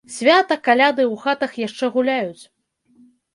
Свята, каляды, у хатах яшчэ гуляюць.